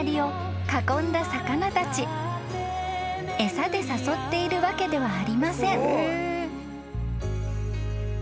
［餌で誘っているわけではありません］